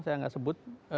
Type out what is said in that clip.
saya nggak sebut